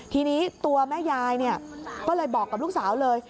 ทีนี้ตัวแม่ยายก็เลยบอกกับลูกสาวเลย